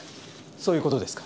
そういう事ですか？